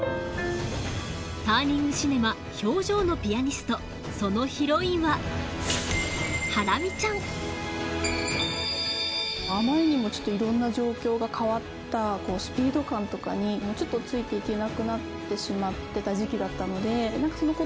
ターニング映画そのヒロインはあまりにもいろんな状況が変わったスピード感とかにちょっとついて行けなくなってしまってた時期だったので。